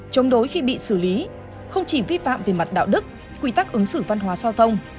chống đối khi bị xử lý không chỉ vi phạm về mặt đạo đức quy tắc ứng xử văn hóa giao thông